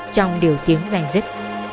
trong điều tiếng danh dứt